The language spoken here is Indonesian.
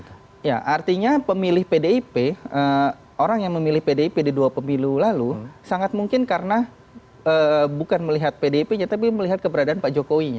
ya artinya pemilih pdip orang yang memilih pdip di dua pemilu lalu sangat mungkin karena bukan melihat pdip nya tapi melihat keberadaan pak jokowinya